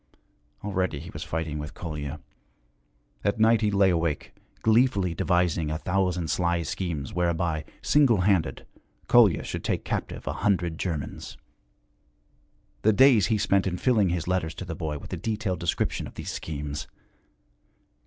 Already he was fighting with Kolya. At night he lay awake, gleefully devising a thousand sly schemes whereby, single handed, Kolya should take captive a hundred Germans; the days he spent in filling his letters to the boy with a detailed description of these schemes.